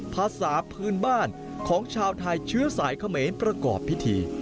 ภาษาพื้นบ้านของชาวไทยเชื้อสายเขมรประกอบพิธี